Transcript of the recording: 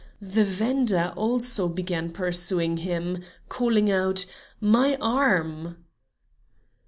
The vender also began pursuing him, calling out: "My arm!"